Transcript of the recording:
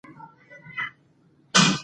پښتانه د افغانستان د قومونو لپاره ملاتړ کوي.